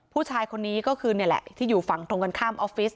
ผู้ชายคนนี้ก็คือนี่แหละที่อยู่ฝั่งตรงกันข้ามออฟฟิศ